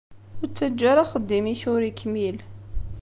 Ur ttaǧǧa ara axeddim-ik ur ikmil.